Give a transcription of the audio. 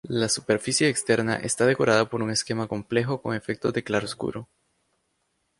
La superficie externa está decorada por un esquema complejo con efectos de claroscuro.